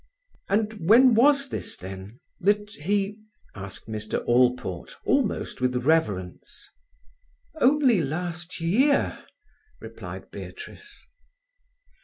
"And when was this, then—that he—?" asked Mr. Allport, almost with reverence. "Only last year," replied Beatrice.